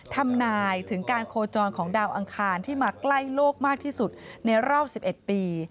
ทำนายถึงการโคจรของดาวอังคารที่มาใกล้โลกมากที่สุดในรอบ๑๑ปี